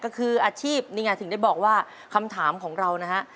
ก็คืออาชีพนี่ไงถึงได้บอกว่าคำถามของเรานะฮะ